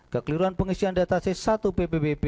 kekeliruan pengisian data c satu ppwp